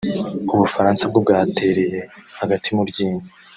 u Bufaransa bwo bwatereye agati mu ryinyo